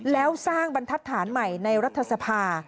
แล้วสร้างบรรทัศน์ใหม่ในรัฐสภา